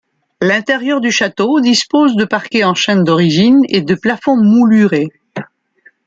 L'intérieur du château dispose de parquets en chêne d'origine et de plafonds moulurés.